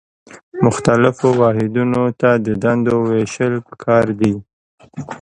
مختلفو واحدونو ته د دندو ویشل پکار دي.